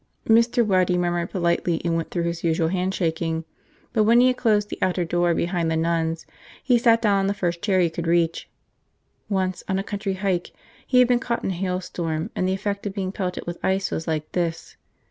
Mr. Waddy murmured politely and went through his usual handshaking. But when he had closed the outer door behind the nuns, he sat down on the first chair he could reach. Once, on a country hike, he had been caught in a hailstorm and the effect of being pelted with ice was like this.